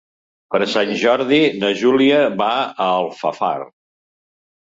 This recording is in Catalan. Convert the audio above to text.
Per Sant Jordi na Júlia va a Alfafar.